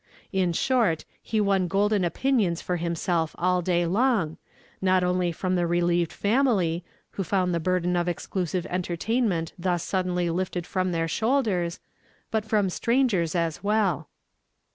In short, he won golden opinions for him self all day long, not only from the relieved family, who found the burden of exclusive entertainment thus suddenly lifted from their shouldei s, but from strangers as well.